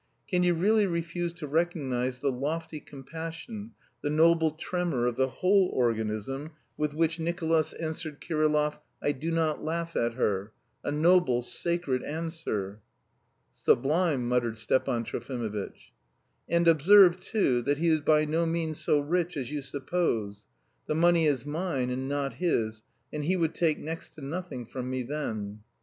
"Can you really refuse to recognise the lofty compassion, the noble tremor of the whole organism with which Nicolas answered Kirillov: 'I do not laugh at her.' A noble, sacred answer!" "Sublime," muttered Stepan Trofimovitch. "And observe, too, that he is by no means so rich as you suppose. The money is mine and not his, and he would take next to nothing from me then."